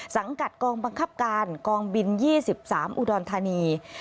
สังกัดกองบังคับการกองบิน๒๓อุดรธานี